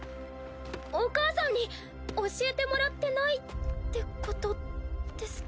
お母さんに教えてもらってないってことですか？